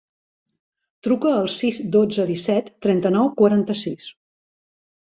Truca al sis, dotze, disset, trenta-nou, quaranta-sis.